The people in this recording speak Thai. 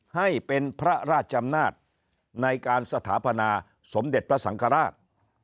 ให้เป็นพระราชอำนาจในการสถาปนาสมเด็จพระสังฆราช